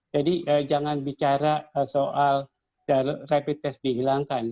jadi jangan bicara soal rapi tes dihilangkan